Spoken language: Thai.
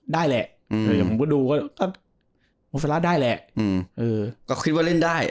ได้แหละอืมอย่างผมก็ดูก็อ่ะได้แหละอืมเออก็คิดว่าเล่นได้